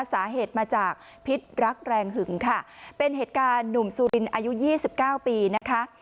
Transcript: สาเหตุมาจากพิษรักแรงหึงค่ะเป็นเหตุการณ์หนุ่มสุรินอายุ๒๙ปีนะคะ